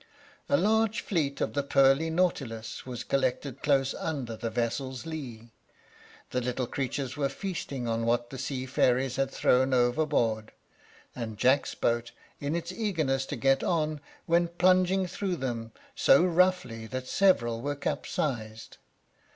A large fleet of the pearly nautilus was collected close under the vessel's lee. The little creatures were feasting on what the sea fairies had thrown overboard, and Jack's boat, in its eagerness to get on, went plunging through them so roughly that several were capsized.